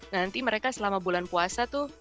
nanti mereka selama bulan puasa tuh